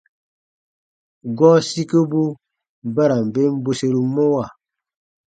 Gɔɔ sikobu ba ra n ben bweseru mɔwa.